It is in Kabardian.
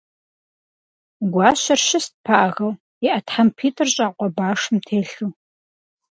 Гуащэр щыст пагэу, и Ӏэ тхьэмпитӀыр щӀакъуэ башым телъу.